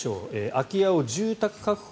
空き家を住宅確保